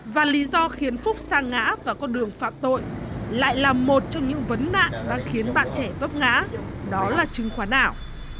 và lý do khiến phúc sang ngã vào con đường phạm tội lại là một trong những vấn nạn đã khiến bạn trẻ vấp ngã đó là chứng khoán ảo